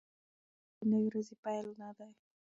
لمرخاته د نوې ورځې پیل نه دی.